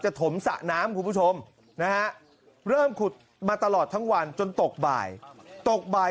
ถมสระน้ำคุณผู้ชมนะฮะเริ่มขุดมาตลอดทั้งวันจนตกบ่ายตกบ่าย